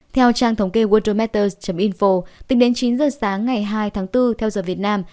theo trang thống kê worldometers info từng đến chín giờ sáng ngày hai tháng bốn theo giờ việt nam